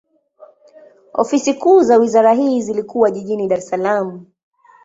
Ofisi kuu za wizara hii zilikuwa jijini Dar es Salaam.